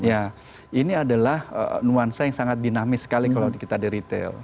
ya ini adalah nuansa yang sangat dinamis sekali kalau kita di retail